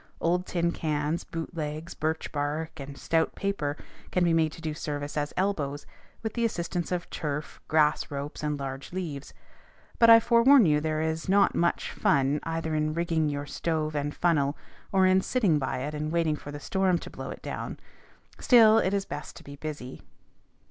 Old tin cans, boot legs, birch bark, and stout paper can be made to do service as elbows, with the assistance of turf, grass ropes, and large leaves. But I forewarn you there is not much fun, either in rigging your stove and funnel, or in sitting by it and waiting for the storm to blow it down. Still it is best to be busy.